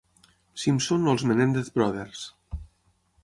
Simpson o els Menendez Brothers.